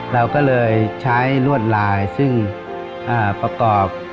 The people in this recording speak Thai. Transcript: เราก็เลยใช้ลวดลายซึ่งประกอบ